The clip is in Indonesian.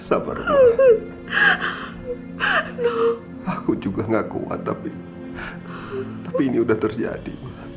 aku juga nggak kuat tapi tapi ini udah terjadi